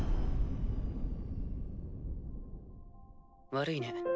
悪いね。